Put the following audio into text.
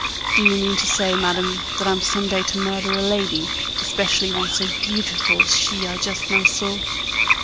Do you mean to say, madam, that I'm some day to murder a lady, especially one so beautiful as she I just now saw?"